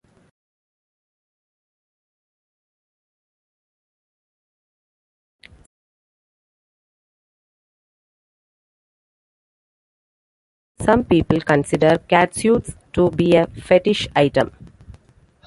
Some people consider catsuits to be a fetish item.